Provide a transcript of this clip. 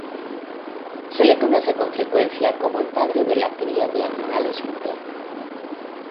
Se le conoce con frecuencia como el padre de la cría de animales moderna.